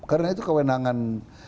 karena itu kewenangan